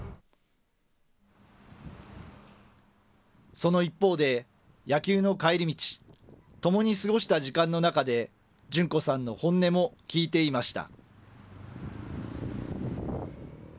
その一方で野球の帰り道、ともに過ごした時間の中で、順子さんの本音も聞いていました。